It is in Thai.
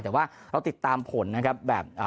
แต่ว่าเราติดตามผลนะครับแบบ